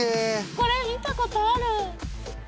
これ見たことある。